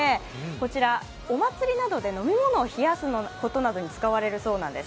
こちらお祭りなどで飲み物を冷やすことなどに使われるそうなんです。